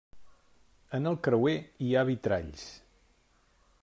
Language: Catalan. En el creuer hi ha vitralls.